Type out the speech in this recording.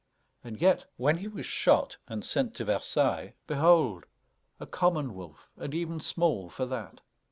And yet, when he was shot and sent to Versailles, behold! a common wolf, and even small for that.